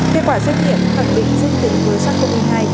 kết quả xét nghiệm phản định dương tính với sars cov hai